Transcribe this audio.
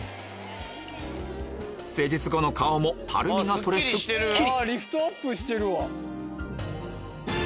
施術後の顔もたるみが取れスッキリ！